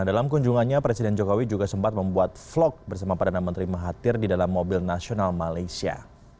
dalam kunjungannya presiden jokowi juga sempat membuat vlog bersama perdana menteri mahathir di dalam mobil nasional malaysia